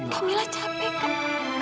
kamila capek kak